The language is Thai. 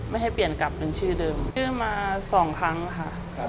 ไม่ให้เปลี่ยนกลับเป็นชื่อเดิมชื่อมาสองครั้งค่ะ